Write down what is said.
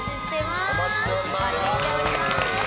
お待ちしております。